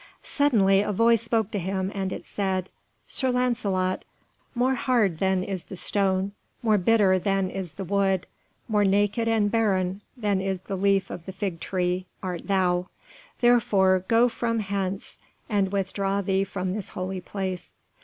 Suddenly a voice spoke to him and it said, "Sir Lancelot, more hard than is the stone, more bitter than is the wood, more naked and barren than is the leaf of the fig tree, art thou; therefore go from hence and withdraw thee from this holy place."